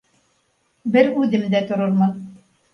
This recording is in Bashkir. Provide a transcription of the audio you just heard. — Бер үҙем дә торормон